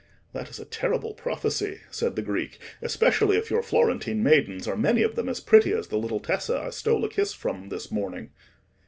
"That is a terrible prophecy," said the Greek, "especially if your Florentine maidens are many of them as pretty as the little Tessa I stole a kiss from this morning."